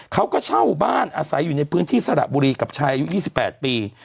เขาก็เช่าบ้านอาศัยอยู่ในพื้นที่สระบุรีกับชายอายุ๒๘ปี